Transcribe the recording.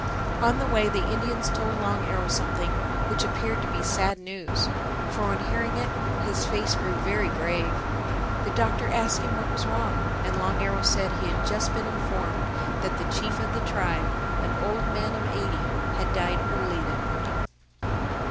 On the way the Indians told Long Arrow something which appeared to be sad news, for on hearing it, his face grew very grave. The Doctor asked him what was wrong. And Long Arrow said he had just been informed that the chief of the tribe, an old man of eighty, had died early that morning.